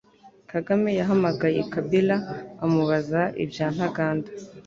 Kagame yahamagaye Kabila amubaza ibya Ntaganda